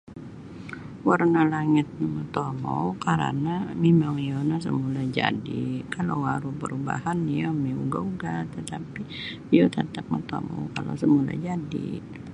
Warna langit no motomou karana mimang warna samula jadi kalau aru parubahan iyo miuga-uga tetapi iyo tatap motomou kalau samula jadi.